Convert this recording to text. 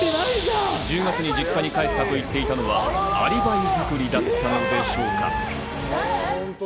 １０月に実家に帰っていたと言ったのはアリバイ作りだったのでしょうか。